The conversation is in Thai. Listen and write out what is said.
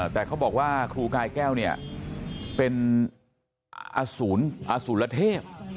แต่เขาบอกว่าครูกายแก้วเนี่ยเป็นอสุรเทพ